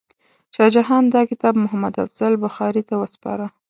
شاه جهان دا کتاب محمد افضل بخاري ته وسپاره.